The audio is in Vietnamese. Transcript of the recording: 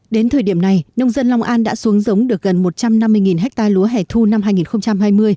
đến thời điểm này nông dân long an đã xuống giống được gần một trăm năm mươi ha lúa hẻ thu năm hai nghìn hai mươi